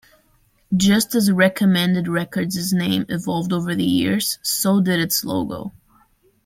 Just as Recommended Records's name evolved over the years, so did its logo.